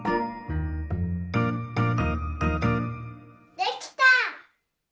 できた！